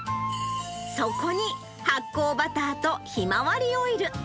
そこに発酵バターとひまわりオイル。